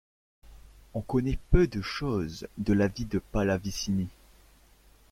On connaît peu de choses de la vie de Pallavicini.